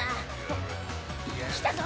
・来たぞ！